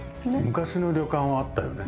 昔の旅館はあったよね。